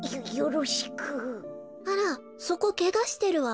あらそこけがしてるわ。